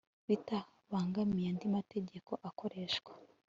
bitabangamiye andi mategeko akoreshwa